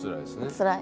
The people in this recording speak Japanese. つらい。